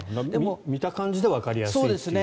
見た感じでわかりやすいっていう。